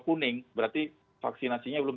kuning berarti vaksinasinya belum